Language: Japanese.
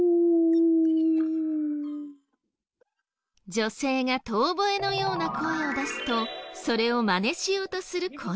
女性が遠吠えのような声を出すとそれをマネしようとする子犬。